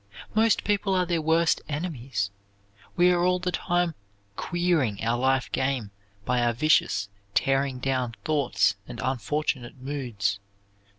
Most people are their own worst enemies. We are all the time "queering" our life game by our vicious, tearing down thoughts and unfortunate moods.